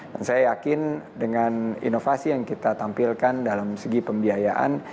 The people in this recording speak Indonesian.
dan saya yakin dengan inovasi yang kita tampilkan dalam segi pembiayaan